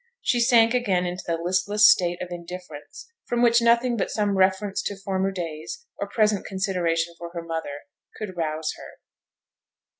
She sank again into the listless state of indifference from which nothing but some reference to former days, or present consideration for her mother, could rouse her.